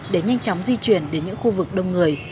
để nhanh chóng di chuyển đến những khu vực đông người